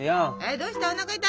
どうした？